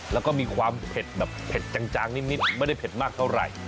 แล้วก็มีความเผ็ดแบบเผ็ดจางนิดไม่ได้เผ็ดมากเท่าไหร่